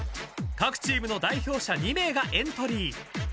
［各チームの代表者２名がエントリー］